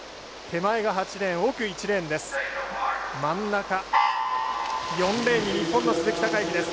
手前が８レーン、奥１レーンです。